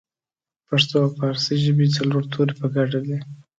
پښتو او پارسۍ ژبې څلور توري په ګډه دي